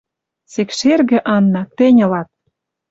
Сек шергӹ, Анна, тӹнь ылат».